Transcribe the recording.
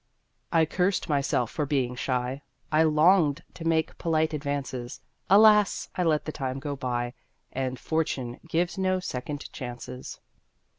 I cursed myself for being shy I longed to make polite advances; Alas! I let the time go by, And Fortune gives no second chances.